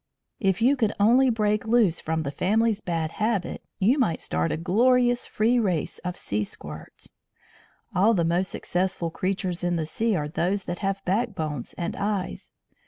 If you could only break loose from the family's bad habit, you might start a glorious free race of sea squirts. All the most successful creatures in the sea are those that have backbones and eyes.